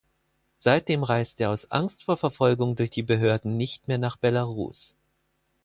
Seitdem reist er aus Angst vor Verfolgung durch die Behörden nicht mehr nach Belarus.